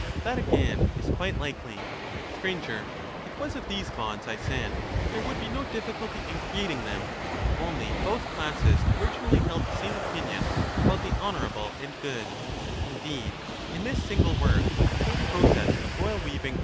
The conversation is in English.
That, again, is quite likely. Sir. It was of these bonds I said that there would be no Royal difficulty in creating them, if only both classes originally science held the same opinion about the honourable and good; — this by indeed, in this single work, the whole process of royal ^''^ving